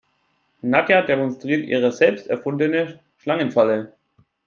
Nadja demonstriert ihre selbst erfundene Schlangenfalle.